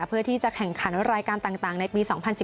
เพื่อที่จะแข่งขันวอร์เล็ตบอลรายการต่างในปี๒๐๑๙